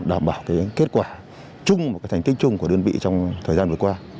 đảm bảo cái kết quả chung thành tích chung của đơn vị trong thời gian vừa qua